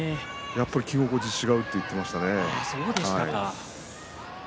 着心地が違うと言っていましたね。